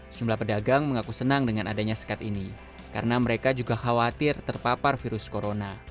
sejumlah pedagang mengaku senang dengan adanya sekat ini karena mereka juga khawatir terpapar virus corona